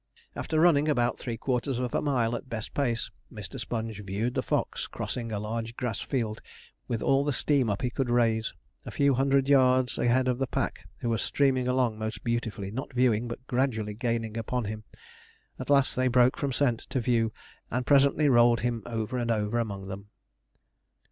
After running about three quarters of a mile at best pace, Mr. Sponge viewed the fox crossing a large grass field with all the steam up he could raise, a few hundred yards ahead of the pack, who were streaming along most beautifully, not viewing, but gradually gaining upon him. At last they broke from scent to view, and presently rolled him over and over among them.